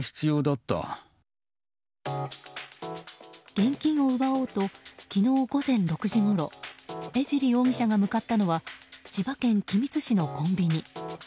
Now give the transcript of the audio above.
現金を奪おうと昨日午前６時ごろ江尻容疑者が向かったのは千葉県君津市のコンビニ。